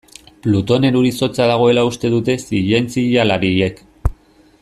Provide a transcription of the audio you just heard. Plutonen ur-izotza dagoela uste dute zientzialariek.